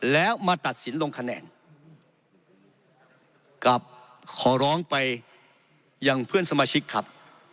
แล้วมาตัดสินลงคะแนนกลับขอร้องไปยังเพื่อนสมาชิกครับ